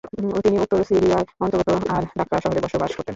তিনি উত্তর সিরিয়ায় অন্তর্গত আর-রাক্কা শহরে বসবাস করতেন।